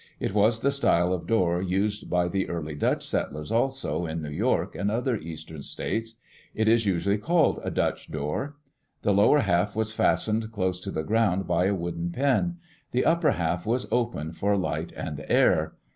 It was the style of door used by the early Dutch settlers also, in New York and other eastern states. It is usually called a Digitized by CjOOQ IC EARLY DAYS IN OLD OREGON " Dutch door." The lower half was fastened close to the ground by a wooden pin; the upper half was open for light and air.